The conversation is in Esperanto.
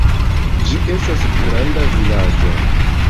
Ĝi estas granda vilaĝo.